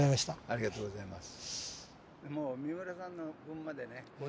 ありがとうございます。